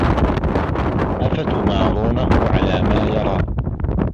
أَفَتُمارونَهُ عَلى ما يَرى